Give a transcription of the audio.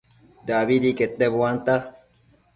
dabidi quete buanta